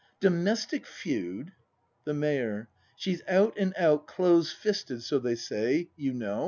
Domestic feud ? The Mayor. She's out and out Close fisted, so they say, you know.